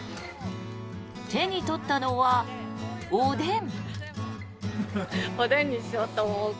手に取ったのは、おでん。